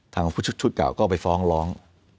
ทางชุดเก่าก็ไปฟ้องร้อง